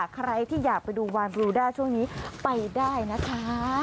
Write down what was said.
ใครที่อยากไปดูวานบรูด้าช่วงนี้ไปได้นะคะ